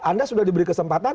anda sudah diberi kesempatan